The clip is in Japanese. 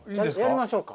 やりましょうか。